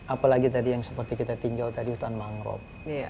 apalagi tadi yang seperti kita tinjau tadi hutan mangrove